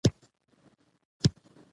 نجلۍ یتیمه ده .